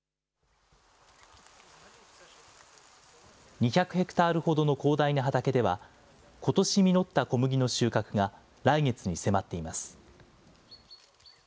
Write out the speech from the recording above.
２００ヘクタールほどの広大な畑では、ことし実った小麦の収穫が来月に迫っています。